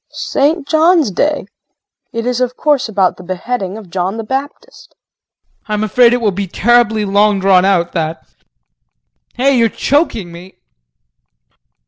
KRISTIN. St. John's Day! It is of course about the beheading of John the Baptist. JEAN. I'm afraid it will be terribly long drawn out that. Hey, you're choking me.